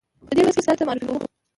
په دې لوست کې یې تاسې ته معرفي کوو.